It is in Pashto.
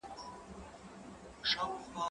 زه کتاب ليکلی دی؟!